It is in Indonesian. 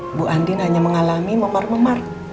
ibu andin hanya mengalami memar memar